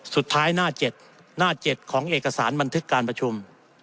สุดท้ายหน้า๗หน้า๗ของเอกสารบันทึกการประชุม